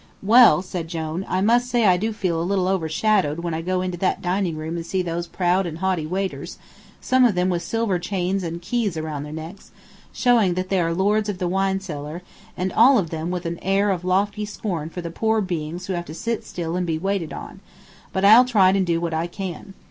"Well," said Jone, "I must say I do feel a little overshadowed when I go into that dining room and see those proud and haughty waiters, some of them with silver chains and keys around their necks, showing that they are lords of the wine cellar, and all of them with an air of lofty scorn for the poor beings who have to sit still and be waited on; but I'll try what I can do.